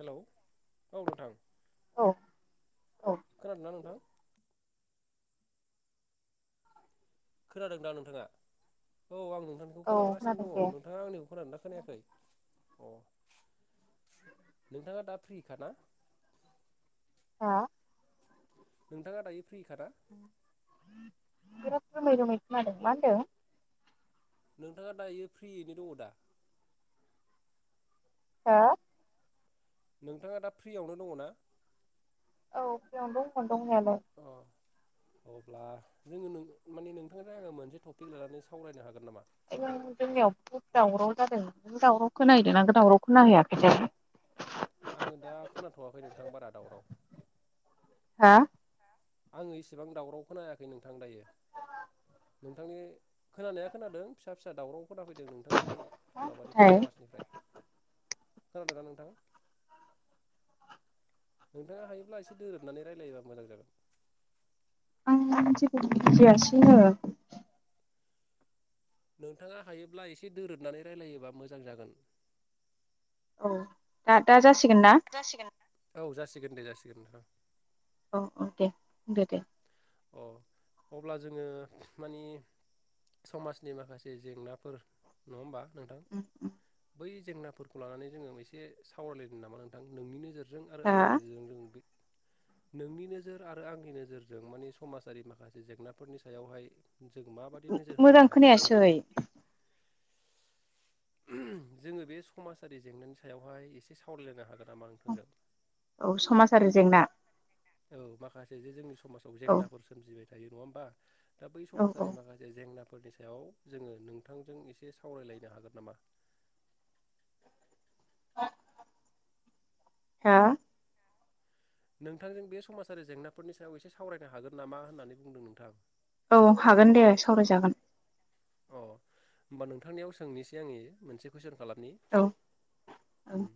Hello औ नोंथां औ औ खोनादों ना नोंथां खोनादोंदां नोंथाङा औ आं नोंथांनिखौ औ खोनादों खोनागासिनो दे दङ नोंथाङा आंनिखौ खोनादोंना खोनायाखै अ नोंथाङा दा फ्रिखाना हा नोंथाङा दायो फ्रिखा दा बिराद रोमै रोमै खोनादों मा होनदों नोंथाङा दायो फ्रियैनो दङ दा हा नोंथाङा दा फ्रियावनो दङ ना औ फ्रियावनो दंमोन दंनायालाय अ अब्ला जोङो नों माने नोंथांजों आङो मोनसे टपिक लानानै सावरायनो हागोन नामा जोंनियाव बहुद दावराव जादों नों दावराव खोनाहैदों ना दावराव खोनाहैयाखैथाय आङो दा खोनाथवाखै नोंथां बारा दावराव हा आङो इसिबां दावराव खोनायाखै नोंथां दायो नोंथांनि खोनानाया खोनादों फिसा फिसा दावराव खोना फैदों नोंथांनि माबानिफ्राय थाय आवाजनिफ्राय खोनादों ना नोंथां नोंथाङा हायोब्ला एसे दोरोदनानै रायलायोबा मोजां जागोन आं जेबो बमिथियासै नो नोंथाङा हायोब्ला एसे दोरोदनानै रायलायोबा मोजां जागोन औ दा दा जासि गोनना औ जासिगोन दे जासिगोन नोंथां औ औ दे दे दे अ अब्ला जोङो मानि समाजनि माखासे जेंनाफोर नङा होमबा? नोंथां बै जेंनाफोरखौ लानानै जोङो एसे सावरायलायदों नामा नोंथां नोंनि नोजोर जों आरो हा आंनि नोजोरजों जों बे नोंनि नोजोर आरो आंनि नोजोरजों मानि समाजारि माखासे जेंनाफोरनि सायावहाय जों माबाददि नोजोर मोजां होलायनो हायो बिनि खोनायासै सायाव जोङो बे समाजारि जेंनानि सायावहाय एसे सावरायलायनो हागोन नामा नोंथांजों? औ समाज आरो जेंना औ माखासे जे जोंनि समाजाव औ जेंनाफोर सोमजिबाय दायो नङा होम्बा? दा बै औ औ समाजारि माखासे जेंना फोरनि सायाव जोङो नोंथांजों एसे सावरायलायनो हागोन नामा? [unintelligible] हा नोंथांजों बे समाजारि जेंनाफोरनि सायाव एसे सावरायनो हागोन नामा होननानै बुंदों नोंथां औ हागोन दे सावरायजागोन अ होमबा नोंथांनियाव सोंनोसै आंङो मोनसे कुइसन खालाम नि औ औ उम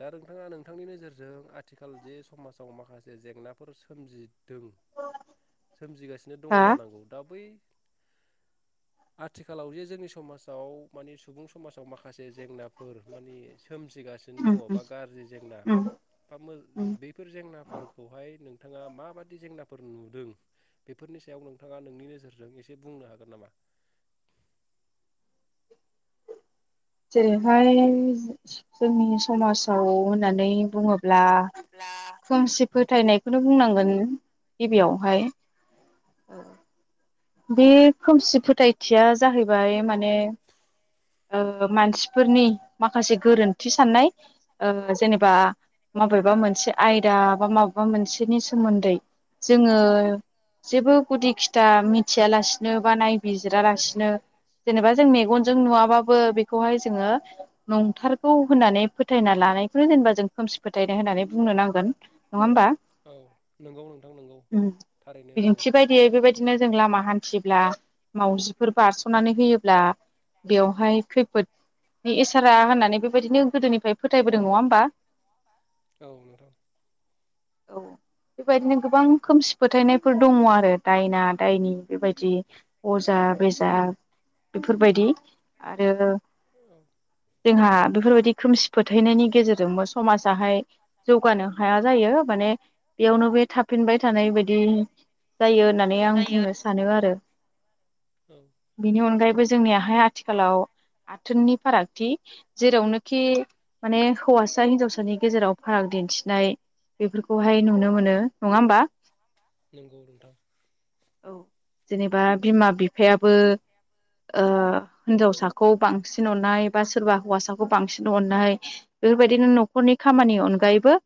दा नोंथाङा नोंथांनि नोजोरजों आथिखाल जे समाजाव माखासे जेंनाफोर सोमजिदों सोमजिगासिनो दङ हा जानांगौ दा बै आथिखालाव जे जोंनि समाजाव मानि सुबुं समाजाव माखासे जेंनाफोर माने सोमजिगा सिनो उम दङ उम बा गाज्रि जेंना उम फोर उम बेैफोर जेंनाफोरखौहाय नोंथाङा माबादि जेंनाफोर नुदों बेफोरनि सायाव नोंथाङा नोंनि नोजोरजों एसे बुंनो हागोन नामा? जेरैहाय जोंनि समाजाव होननानै बुङोब्ला खोमसि फोथायनायखौनो बुंनांगोन गिबियावहाय बे खोमसि फोथायथिया जाहैबाय माने ओ मानसिफोरनि माखासे गोरोन्थि साननाय ओ जेनेबा माबेबा मोनसे आयदा बा माबेबा मोनसेनि सोमोन्दै जोङो जेबो गुदि खिथा मि थियालासिनो बा नायबिजिरालासिनो जेनेबा जों मेगनजों नुवाबाबो बेखौहाय जोङो नंथारगौ होननानै फोथायना लानायखौनो जेनेबा जों खोमसि फोथायनाय होननानै बुंनो नांगोन नङा होमबा? औ नंगौ नोंथां नंगौ उम थारैनो नंगौ बिदिन्थि बायदियै बेबायदिनो जों लामा थिब्ला मावजिफोर बारस'नानै होयोब्ला बेवहाय खैफोद नि इसारा होननानै बेबायदिनो गोदोनिफ्राय फोथायबोदों नङा होमबा? औ नोंथां। औ बेबायदिनो गोबां खोमसि फोथायनायफोर दङ आरो दायना दायनि। बेबायदि अजा बेजा बेफोरबायदि आरो [unintelligible] जोंहा बेफोरबायदि खोमसि फोथायनायनि गेजेरजोंबो समाजाहाय जौगानो हाया जायो माने बेयावनो बे थाफिनबाय थानाय बायदि जायो होननानै आं बुंनो स आरो औ बेनि अनगायैबो जोंनियाहाय आथिखालाव आथोननि फारागथि जेरावनोखि माने हौवासा हिनजावसानि गेजेराव फाराग दिन्थिनाय बेफोरखौहाय नुनो मोनो नङा होमबा? नोंगौ नोंथां। औ जेनेबा बिमा बि फायाबो ओ हिनजावसाखौ बांसिन अननाय बा सोरबा हौवासाखौ बांसिन अननाय बेफोरबायदिनो न'खरनि खामानि अनगायैबो